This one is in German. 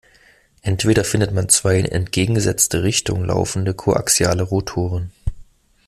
Entweder findet man zwei in entgegengesetzte Richtung laufende koaxiale Rotoren.